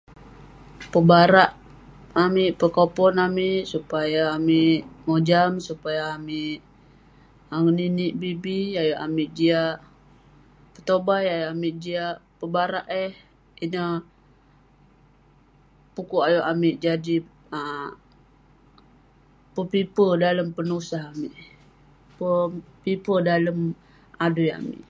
Pebarak amik, pekopon amik supaya amik mojam, supaya amik um ngeninik bi bi, ayuk amik jiak petobai, ayuk amik jiak pebarak eh..ineh pu'kuk ayuk amik jadi...[um] Pepipe dalem penusah amik